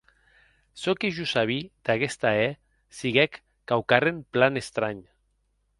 Çò que jo sabí d’aguest ahèr siguec quauquarren plan estranh.